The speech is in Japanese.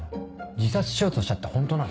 自殺しようとしたってホントなの？